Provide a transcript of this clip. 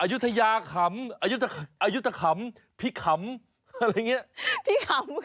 อุทยาขำอายุทะขำพิขำอะไรอย่างนี้